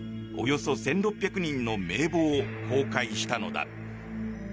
およそ１６００人の名簿を公開したのだ。